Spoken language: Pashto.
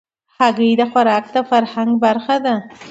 هګۍ د خوراک فرهنګ برخه ده.